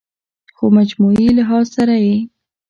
خو مجموعي لحاظ سره ئې